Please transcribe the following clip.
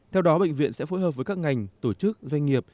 theo đó bệnh viện sẽ phối hợp với các ngành tổ chức doanh nghiệp